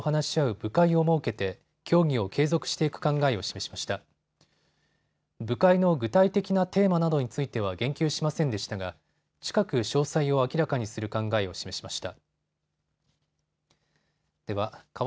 部会の具体的なテーマなどについては言及しませんでしたが近く詳細を明らかにする考えを示しました。